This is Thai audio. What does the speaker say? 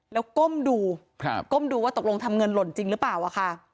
แล้วก้มดูก้มดูว่าตกลงทำเงินหล่นจริงหรือเปล่าอะค่ะ